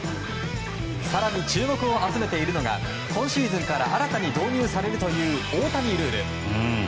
更に注目を集めているのが今シーズンから新たに導入されるという大谷ルール。